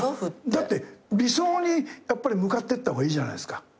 だって理想に向かってった方がいいじゃないですか。